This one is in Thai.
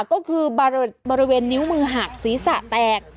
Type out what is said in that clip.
ก็คือบริเวณนิ้วมือหักศีรษะแตก